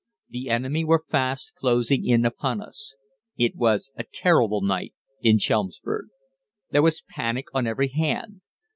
The enemy were fast closing in upon us. It was a terrible night in Chelmsford. "There was panic on every hand.